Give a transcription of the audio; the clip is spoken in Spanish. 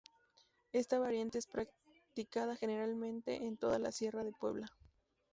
Esta variante es practicada generalmente en toda la sierra de Puebla.